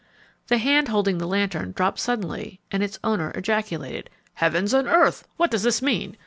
The band holding the lantern dropped suddenly, and its owner ejaculated, "Heavens and earth! what does this mean?